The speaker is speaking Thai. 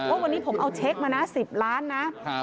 ว่าวันนี้ผมเอาเช็คมานะ๑๐ล้านนะ